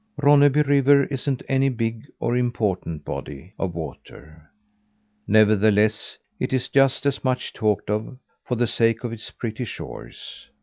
Ronneby River isn't any big or important body of water; nevertheless, it is just as much talked of, for the sake of its pretty shores.